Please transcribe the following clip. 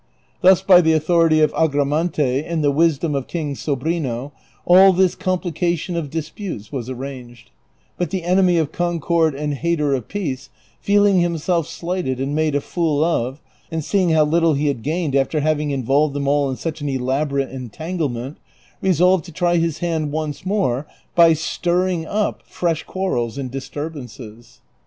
Thus by the author ity of Agraiuante and the wisdom of King Sobrino all this com plication of disputes was arranged ; biit the enemy of concord and hater of peace, feeling himself slighted and made a fool of, and seeing how little he had gained after having involved them all in such an elaljorate entanglement, resolved to try his hand once more l)y stirring iq) fresh quarrels and disturbances.